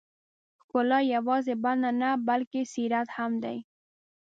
ښکلا یوازې بڼه نه، بلکې سیرت هم دی.